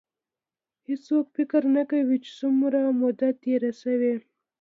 هېڅوک فکر نه کوي چې څومره موده تېره شي.